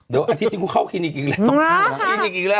เดี๋ยวอาทิตย์ที่กูเข้าคลินิทกินอีกแล้ว